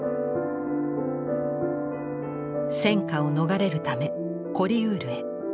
戦禍を逃れるためコリウールへ。